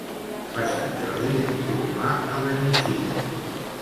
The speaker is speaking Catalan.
Per Sant Jordi en Bru va a Beneixida.